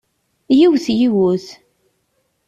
Yiwet yiwet!